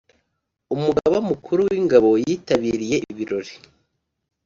Umugaba Mukuru w’Ingabo yitabiriye ibirori